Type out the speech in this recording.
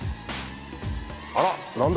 あら何だ？